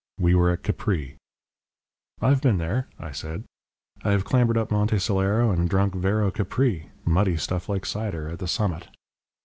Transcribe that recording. We were at Capri " "I have been there," I said. "I have clambered up Monte Solaro and drunk vero Capri muddy stuff like cider at the summit."